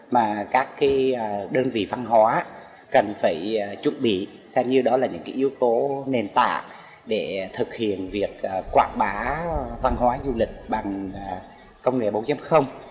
mà các đơn vị văn hóa cần phải chuẩn bị xem như đó là những yếu tố nền tảng để thực hiện việc quảng bá văn hóa du lịch bằng công nghệ bốn